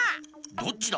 どっちだ？